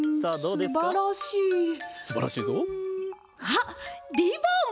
あっリボン！